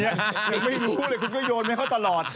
ยังไม่ได้พูดเลยคุณก็โยนไว้เขาตลอด